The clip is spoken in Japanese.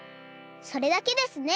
それだけですね！